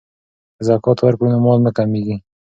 که زکات ورکړو نو مال نه کمیږي.